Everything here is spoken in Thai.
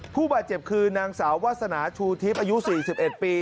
ผู้บาดเจ็บคือนางสาววาสนาชูทิพย์อายุ๔๑ปี